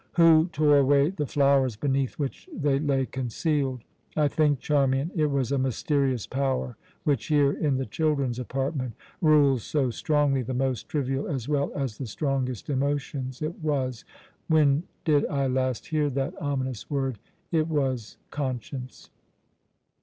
Who tore away the flowers beneath which they lay concealed? I think, Charmian, it was a mysterious power which here, in the children's apartment, rules so strongly the most trivial as well as the strongest emotions, it was when did I last hear that ominous word? it was conscience.